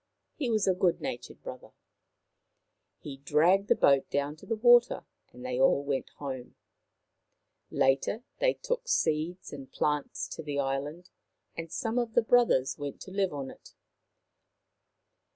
He was a good natured brother. He dragged the boat down to the water and they all went home. Later, they took seeds and plants to the island and some of the brothers went to live on it.